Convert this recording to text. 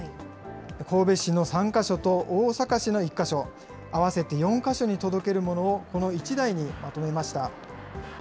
神戸市の３か所と大阪市の１か所、合わせて４か所に届けるものを、この１台にまとめました。